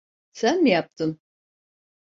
Sen mi yaptın?